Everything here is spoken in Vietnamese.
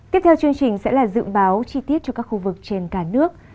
tiếp theo chương trình sẽ là dự báo chi tiết cho các khu vực trên cả nước